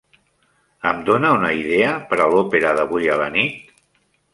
Em dona una idea per a l'òpera d'avui a la nit?